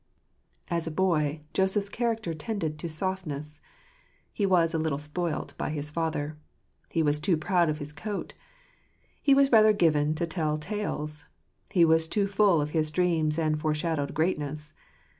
As a boy, Joseph's character tended to softness. He 1 was a little spoilt by his father. He was too proud of his j coat. He was rather given to tell tales. He was too full ! of his dreams and foreshadowed greatness.